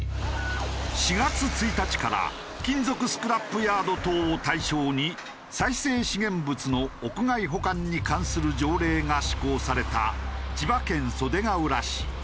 ４月１日から金属スクラップヤード等を対象に再生資源物の屋外保管に関する条例が施行された千葉県袖ケ浦市。